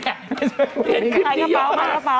ใครกระเป๋า